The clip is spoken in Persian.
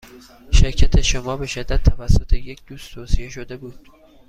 شرکت شما به شدت توسط یک دوست توصیه شده بود.